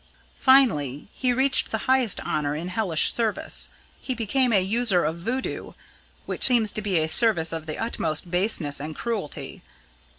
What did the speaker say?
Finally, he reached the highest honour in hellish service. He became a user of Voodoo, which seems to be a service of the utmost baseness and cruelty.